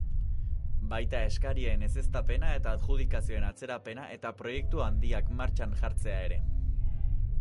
Baita eskarien ezeztapena eta adjudikazioen atzerapena eta proiektua handiak martxan jartzea ere.